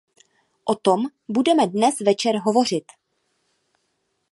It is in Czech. O tom budeme dnes večer hovořit.